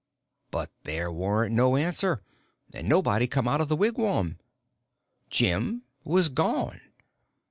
But there warn't no answer, and nobody come out of the wigwam. Jim was gone!